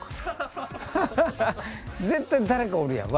絶対誰かおるやん